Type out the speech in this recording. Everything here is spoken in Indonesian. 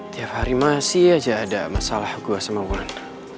tiap hari masih aja ada masalah gue sama orang